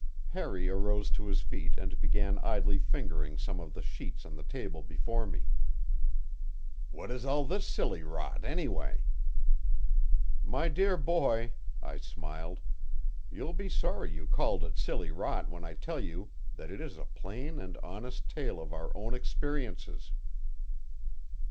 Harry arose to his feet and began idly fingering some of the sheets on the table before me. "What is all this silly rot, anyway?" "My dear boy," I smiled, "you'll be sorry you called it silly rot when I tell you that it is a plain and honest tale of our own experiences."